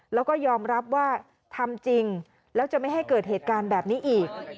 แล้วก็ยอมรับว่าทำจริงแล้วจะไม่ให้เกิดเหตุการณ์แบบนี้อีก